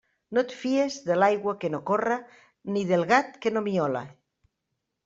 No et fies de l'aigua que no corre ni del gat que no miole.